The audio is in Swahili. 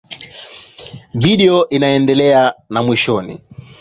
Video inaendelea na mwishoni.